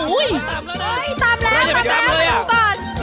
เฮ้ยตามแล้วตามแล้วตามก่อน